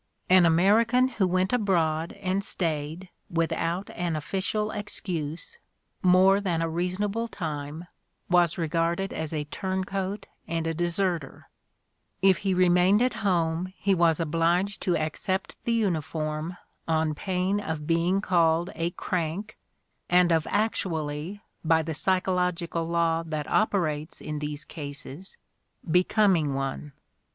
An American who went abroad and stayed, without an official excuse, more than a reason able time, was regarded as a turncoat and a deserter; if he remained at home he was obliged to accept the uniform on pain of being called a crank and of actually, by the psychological law that operates in these cases, becoming one.